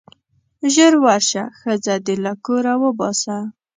ژر ورشه ښځه دې له کوره وباسه.